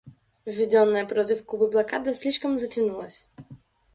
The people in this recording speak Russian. Введенная против Кубы блокада слишком затянулась.